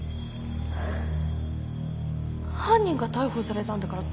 犯人が逮捕されたんだから当然でしょ。